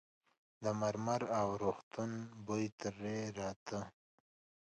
د مرمر او روغتون بوی ترې راته.